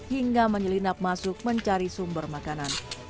hingga menyelinap masuk mencari sumber makanan